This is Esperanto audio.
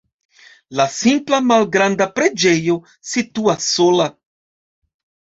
La simpla malgranda preĝejo situas sola.